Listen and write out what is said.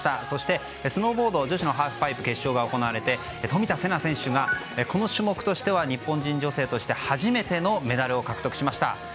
そして、スノーボード女子のハーフパイプ決勝が行われて冨田せな選手がこの種目としては日本人女性として初めてのメダルを獲得しました。